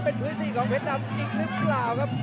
เป็นพื้นที่ของเพชรดำอีกนิดหนึ่งครับ